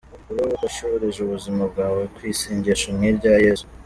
Wowe washoreje ubuzima bwawe kw’isengesho nk’irya Yezu